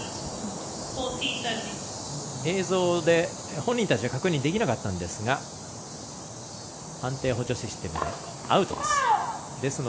本人たちは確認できなかったんですが判定補助システムでアウトです。